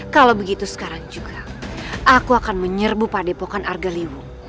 kalau begitu sekarang juga aku akan menyerbu pak depokan argaliwo